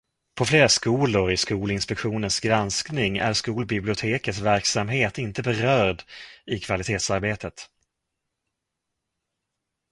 På flera skolor i Skolinspektionens granskning är skolbibliotekets verksamhet inte berörd i kvalitetsarbetet.